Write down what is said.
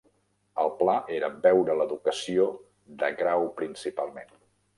El pla era veure l'educació de grau principalment.